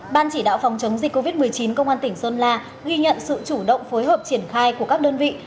ban chỉ đạo phòng chống dịch covid một mươi chín công an tỉnh sơn la ghi nhận sự chủ động phối hợp triển khai của các đơn vị